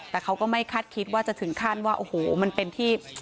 แต่เขาก็ไม่คาดคิดว่าจะถึงขั้นว่าโอ้โหมันเป็นที่